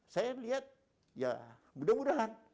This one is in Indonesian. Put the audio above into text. saya melihat ya mudah mudahan